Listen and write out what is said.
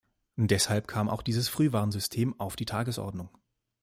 Deshalb kam auch dieses Frühwarnsystem auf die Tagesordnung.